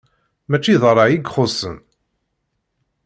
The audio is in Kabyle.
Mačči d ṛṛay i xuṣṣen.